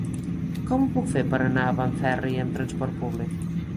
Com ho puc fer per anar a Benferri amb transport públic?